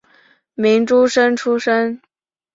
明诸生出身。